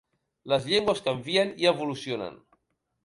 Les llengües canvien i evolucionen.